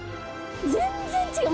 全然違う。